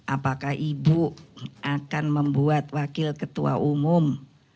apakah ibu akan membuat wakil ketua umum